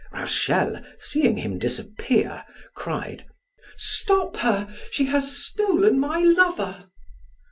Rachel, seeing him disappear, cried: "Stop her! she has stolen my lover!"